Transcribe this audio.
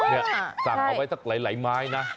นี่สั่งเอาไว้สักหลายไม้นะ